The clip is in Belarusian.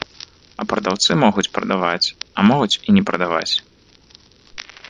А прадаўцы могуць прадаваць, а могуць і не прадаваць.